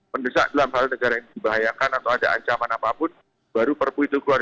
pendesak dalam hal negara yang dibahayakan atau ada ancaman apapun baru pkpu itu keluar